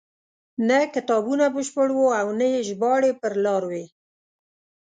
نه کتابونه بشپړ وو او نه یې ژباړې پر لار وې.